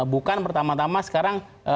bukan pertama tama sekarang